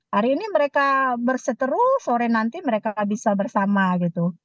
hari ini mereka berseteru sore nanti mereka bisa bersama gitu